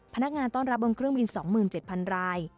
พนักงานต้อนรับบนเครื่องบิน๒๗๐๐ราย